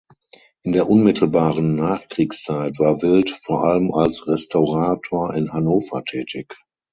In der unmittelbaren Nachkriegszeit war Wildt vor allem als Restaurator in Hannover tätig.